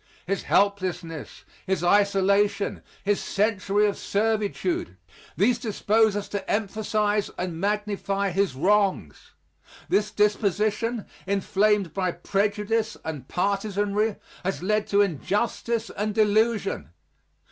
His helplessness, his isolation, his century of servitude, these dispose us to emphasize and magnify his wrongs. This disposition, inflamed by prejudice and partisanry, has led to injustice and delusion.